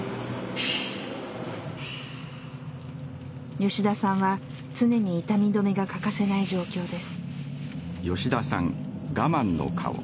吉田さんは常に痛み止めが欠かせない状況です。